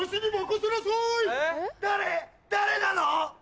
誰⁉誰なの⁉